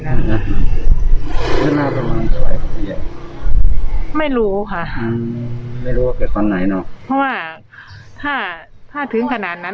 ไม่รู้ค่ะไม่รู้ว่าเกิดตอนไหนเนาะเพราะว่าถ้าถ้าถึงขนาดนั้น